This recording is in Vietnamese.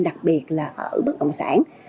đặc biệt là ở bất động sản